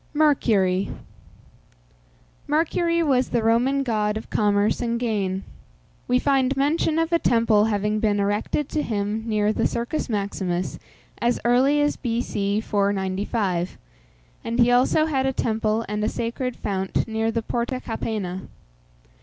MERCURY. Mercury was the Roman god of commerce and gain. We find mention of a temple having been erected to him near the Circus Maximus as early as B.C. 495; and he had also a temple and a sacred fount near the Porta Capena.